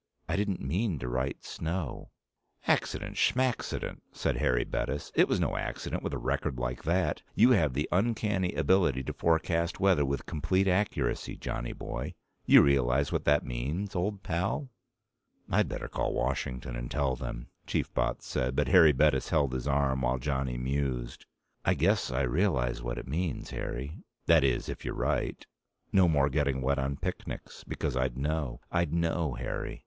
"I didn't mean to write snow." "Accident, smaccident," said Harry Bettis. "It was no accident with a record like that. You have the uncanny ability to forecast weather with complete accuracy, Johnny boy. You realize what that means, old pal?" "I'd better call Washington and tell them," Chief Botts said, but Harry Bettis held his arm while Johnny mused: "I guess I realize what it means, Harry. That is, if you're right. No more getting wet on picnics. Because I'd know. I'd know, Harry.